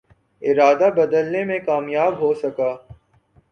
ارادہ بدلنے میں کامیاب ہو سکا